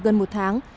gần một tháng